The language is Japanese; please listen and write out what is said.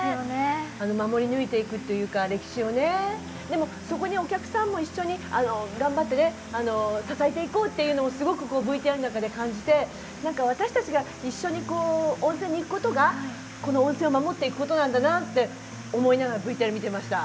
でもそこにお客さんも一緒に頑張ってね支えていこうっていうのをすごくＶＴＲの中で感じて何か私たちが一緒にこう温泉に行くことがこの温泉を守っていくことなんだなって思いながらＶＴＲ見てました。